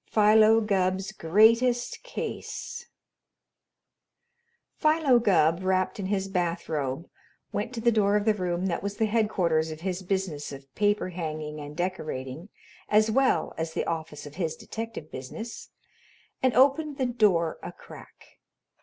PHILO GUBB'S GREATEST CASE Philo Gubb, wrapped in his bathrobe, went to the door of the room that was the headquarters of his business of paper hanging and decorating as well as the office of his detective business, and opened the door a crack.